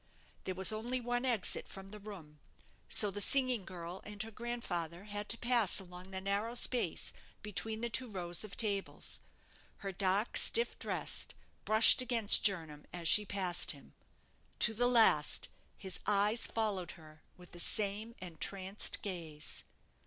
There was only one exit from the room, so the singing girl and her grandfather had to pass along the narrow space between the two rows of tables. Her dark stuff dress brushed against Jernam as she passed him. To the last, his eyes followed her with the same entranced gaze.